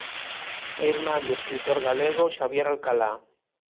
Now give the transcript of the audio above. É irmán do escritor galego Xavier Alcalá.